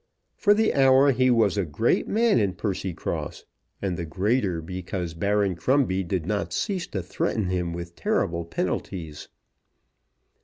For the hour he was a great man in Percycross, and the greater because Baron Crumbie did not cease to threaten him with terrible penalties.